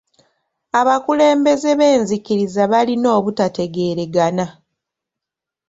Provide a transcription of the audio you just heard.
Abakulembeze b'enzikiriza balina obutategeeragana.